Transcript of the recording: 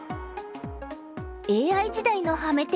ＡＩ時代のハメ手